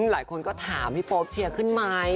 หลายคนก็ถามพี่โป๊ปเชียร์ขึ้นไหม